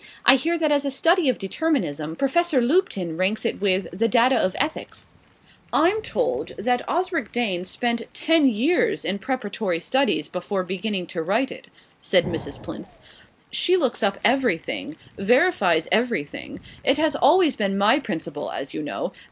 I hear that as a study of determinism Professor Lupton ranks it with 'The Data of Ethics.'" "I'm told that Osric Dane spent ten years in preparatory studies before beginning to write it," said Mrs. Plinth. "She looks up everything verifies everything. It has always been my principle, as you know.